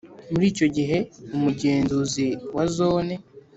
Muri icyo gihe ari umugenzuzi wa zone